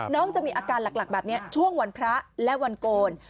น้องจะมีอาการหลักแบบนี้ช่วงวันพระและวันโกน